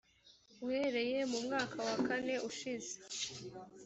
uhereye mu mwaka wa kane ushize